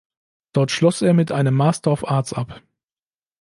Dort schloss er mit einem Master of Arts ab.